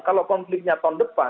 kalau konfliknya tahun depan